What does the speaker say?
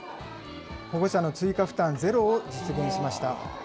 保護者の追加負担ゼロを実現しました。